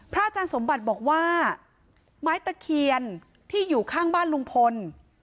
อาจารย์สมบัติบอกว่าไม้ตะเคียนที่อยู่ข้างบ้านลุงพล